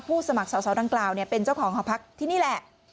สมัครสาวดังกล่าวเป็นเจ้าของหอพักที่นี่แหละ